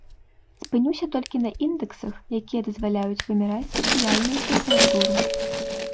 Спынюся толькі на індэксах, якія дазваляюць вымяраць сацыяльную тэмпературу.